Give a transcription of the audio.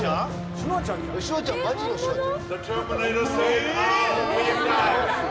シュワちゃんマジのシュワちゃん？